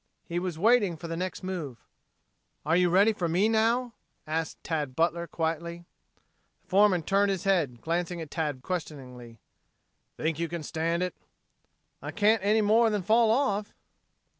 He was waiting for the next move. "Are you ready for me now?" asked Tad Butler quietly. The foreman turned his head, glancing at Tad questioningly. "Think you can stand it?" "I can't any more than fall off."